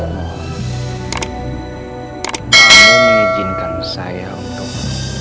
kamu mengizinkan saya untuk